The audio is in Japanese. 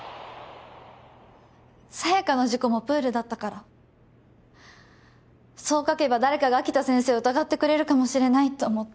沙耶香の事故もプールだったからそう書けば誰かが秋田先生を疑ってくれるかもしれないと思って。